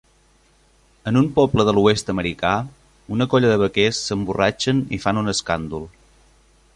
En un poble de l'oest americà, una colla de vaquers s'emborratxen i fan un escàndol.